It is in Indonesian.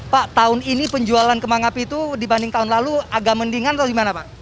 pak tahun ini penjualan kembang api itu dibanding tahun lalu agak mendingan atau gimana pak